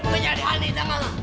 gue nyari hani jangan malem